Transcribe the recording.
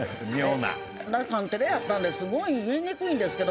カンテレやったんですごい言いにくいんですけど。